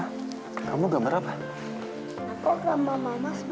kalau sari paham aku akan mencari tahu